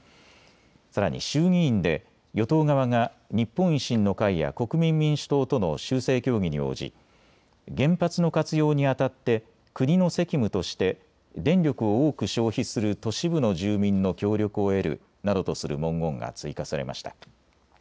さらに衆議院で与党側が日本維新の会や国民民主党との修正協議に応じ原発の活用にあたって国の責務として電力を多く消費する都市部の住民の協力を得るなどとする文言が追加されました。